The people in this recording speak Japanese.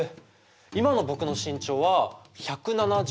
今の僕の身長は１７３ｃｍ。